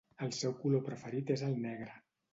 El seu color preferit és el negre.